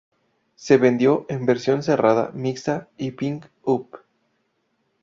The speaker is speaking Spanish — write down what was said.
Se vendió en versión cerrada, mixta y pick-up.